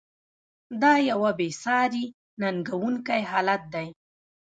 دا یوه بې ساري ننګونکی حالت دی.